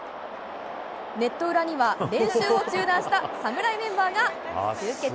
ネット裏には、練習を中断した侍メンバーが集結。